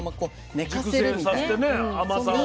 熟成させてね甘さを。